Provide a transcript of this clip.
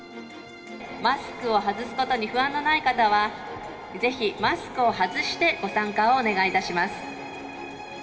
マスクを外すことに不安のない方は、ぜひマスクを外してご参加をお願いいたします。